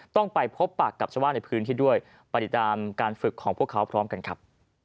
ต้องไปพบปากกับชาวบ้านในพื้นที่ด้วยไปติดตามการฝึกของพวกเขาพร้อมกันครับ